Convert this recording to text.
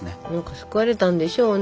救われたんでしょうね。